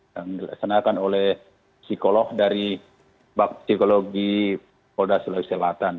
yang dilaksanakan oleh psikolog dari psikologi kota sulawesi selatan